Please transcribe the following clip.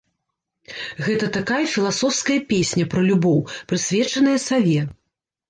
Гэта такая філасофская песня пра любоў, прысвечаная саве.